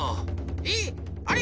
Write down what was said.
えっ⁉あれ？